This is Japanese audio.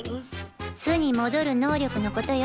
巣に戻る能力のことよ。